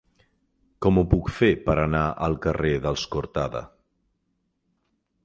Com ho puc fer per anar al carrer dels Cortada?